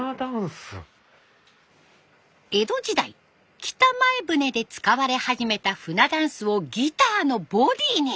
江戸時代北前船で使われ始めた船箪笥をギターのボディーに。